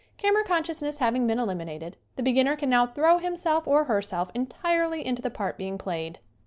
Camera consciousness having been elimi nated the beginner can now throw himself or herself entirely into the part being played.